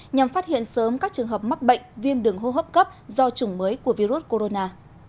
nhằm phát hiện sớm các trường hợp mắc bệnh viêm đường hô hấp cấp do chủng mới của virus corona